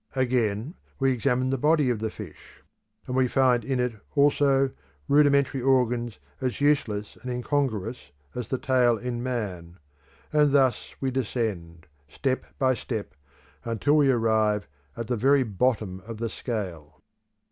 Again, we examine the body of the fish, and we find in it also rudimentary organs as useless and incongruous as the tail in man; and thus we descend step by step, until we arrive at the very bottom of the scale.